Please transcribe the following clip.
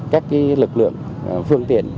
các lực lượng phương tiện